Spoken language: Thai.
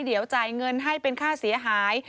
เดี๋ยวจ่ายเงินให้เป็นค่าเสียหาย